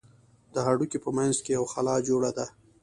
د هډوکي په منځ کښې يوه خلا جوړه ده.